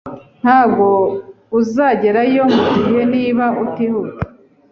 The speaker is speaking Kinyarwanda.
Ntabwo uzagerayo mugihe niba utihuta